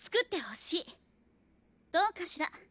どうかしら？